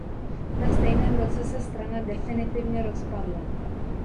Ve stejném roce se strana definitivně rozpadla.